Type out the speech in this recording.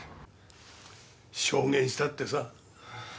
証言したってさ。